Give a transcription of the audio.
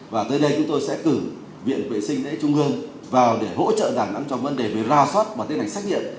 và tới đây chúng tôi sẽ cử viện vệ sinh đế trung hương vào để hỗ trợ đà nẵng cho vấn đề về ra soát và tiến hành xét nghiệm